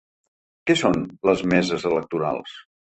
Què són les meses electorals?